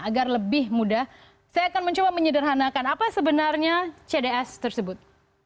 agar lebih mudah saya akan mencoba menyederhanakan apa sebenarnya cds tersebut